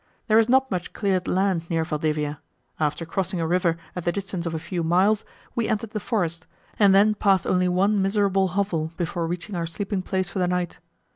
There is not much cleared land near Valdivia: after crossing a river at the distance of a few miles, we entered the forest, and then passed only one miserable hovel, before reaching our sleeping place for the night.